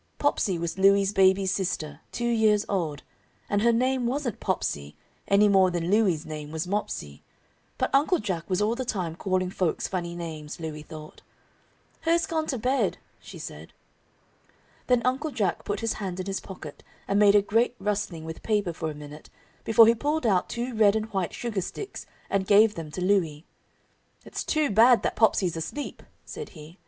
Popsey was Louie's baby sister, two years old, and her name wasn't Popsey any more than Louie's name was Mopsey, but Uncle Jack was all the time calling folks funny names, Louie thought. "Her's gone to bed," she said. Then Uncle Jack put his hand in his pocket and made a great rustling with paper for a minute before he pulled out two red and white sugar sticks and gave them to Louie. "It's too bad that Popsey's asleep," said he.